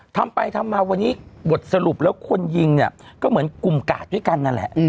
ทำไปทำมาวันนี้บทสรุปแล้วคนยิงเนี่ยก็เหมือนกลุ่มกาดด้วยกันนั่นแหละ